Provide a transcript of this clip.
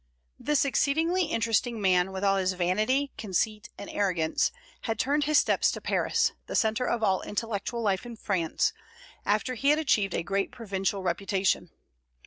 This exceedingly interesting man, with all his vanity, conceit, and arrogance, had turned his steps to Paris, the centre of all intellectual life in France, after he had achieved a great provincial reputation.